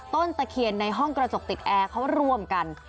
ตะเคียนในห้องกระจกติดแอร์เขาร่วมกัน